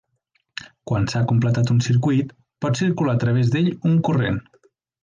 Quan s'ha completat un circuit pot circular a través d'ell un corrent.